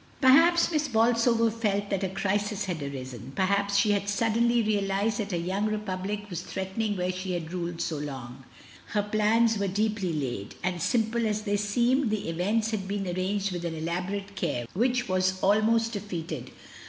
Perhaps Miss Bolsover felt that a crisis had arisen; perhaps she had suddenly realised that a young republic was threatening where she had ruled so long. Her plans were deeply laid, and, simple as they seemed, the events had been arranged with an elaborate care, which was almost defeated, how SUSANNA AT HOME.